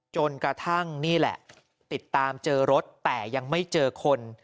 จนกระทั่งนี่แหละติดตามเจอรถแต่ยังไม่เจอคน